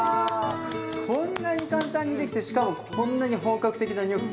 こんなに簡単にできてしかもこんなに本格的なニョッキ。